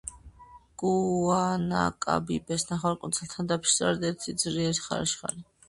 გუანააკაბიბესის ნახევარკუნძულთან დაფიქსირდა არაერთი ძლიერი ქარიშხალი.